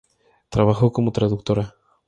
Trabajó como traductora.